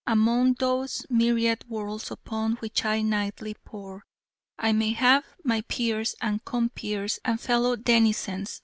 Among those myriad worlds upon which I nightly pore, I may have my Peers and Compeers and Fellow denizens